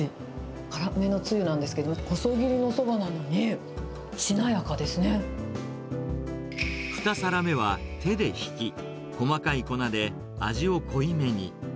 辛めのつゆなんですけど、細切り２皿目は、手でひき、細かい粉で味を濃いめに。